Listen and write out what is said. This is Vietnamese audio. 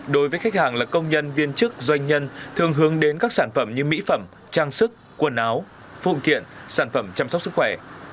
đối với khách hàng là công nhân viên chức doanh nhân thường hướng đến các sản phẩm như mỹ phẩm trang sức quần áo phụ kiện sản phẩm chăm sóc sức khỏe